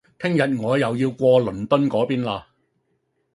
聽日我又要過倫敦個邊喇